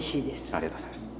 ありがとうございます。